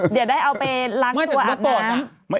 เดี๋ยวได้เอาไปล้างตัวอาบน้ำ